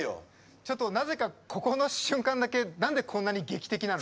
ちょっとなぜかここの瞬間だけ何でこんなに劇的なの？